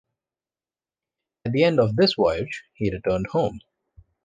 At the end of this voyage he returned home.